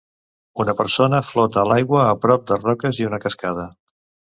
Una persona flota a l'aigua a prop de roques i una cascada